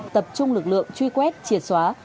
tập trung lực lượng truy quét triệt xóa